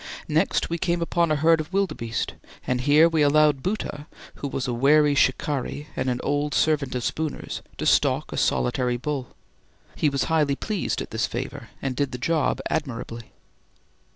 Next we came upon a herd of wildebeeste, and here we allowed Bhoota, who was a wary shikari and an old servant of Spooner's, to stalk a solitary bull. He was highly pleased at this favour, and did the job admirably.